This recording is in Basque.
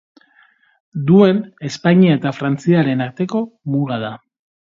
Duen Espainia eta Frantziaren arteko muga da.